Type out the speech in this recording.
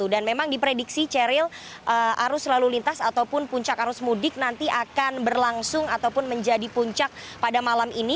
dan memang diprediksi ceril arus lalu lintas ataupun puncak arus mudik nanti akan berlangsung ataupun menjadi puncak pada malam ini